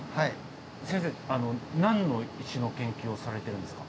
先生何の石の研究をされてるんですか？